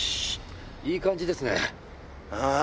いい感じですね。